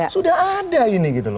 sudah ada ini